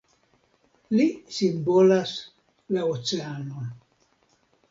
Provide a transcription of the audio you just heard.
Li simbolas la oceanon.